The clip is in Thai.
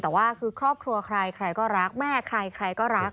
แต่ว่าคือครอบครัวใครใครก็รักแม่ใครใครก็รัก